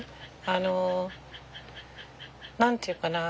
あの何て言うかな